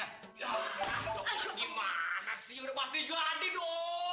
ya dokter gimana sih udah pasti jadi dong